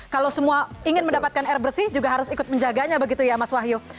kalau semua ingin mendapatkan air bersih juga harus ikut menjaganya begitu ya mas wahyu